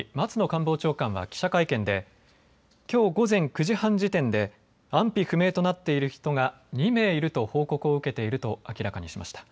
官房長官は記者会見できょう午前９時半時点で安否不明となっている人が２名いると報告を受けていると明らかにしました。